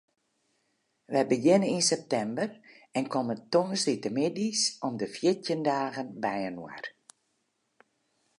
Wy begjinne yn septimber en komme tongersdeitemiddeis om de fjirtjin dagen byinoar.